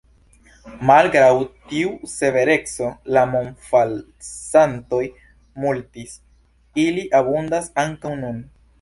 Malgraŭ tiu severeco la monfalsantoj multis; ili abundas ankaŭ nun.